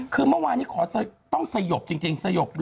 คือเมื่อวานนี้ขอต้องสยบจริงสยบเลย